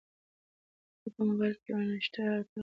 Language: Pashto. ما ته په موبایل کې یو نااشنا پیغام راغلی دی.